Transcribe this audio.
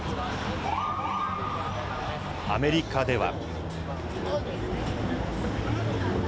アメリカでは。